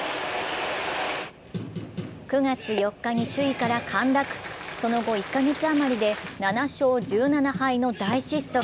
９月４日に首位から陥落、その後１カ月あまりで７勝１７敗の大失速。